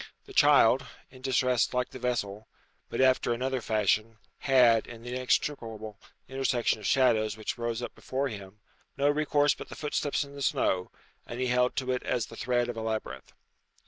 The child, in distress like the vessel, but after another fashion, had, in the inextricable intersection of shadows which rose up before him, no resource but the footsteps in the snow, and he held to it as the thread of a labyrinth.